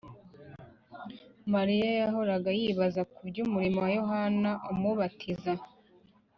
, Mariya yahoraga yibaza kuby’umurimo wa Yohana Umubatiza.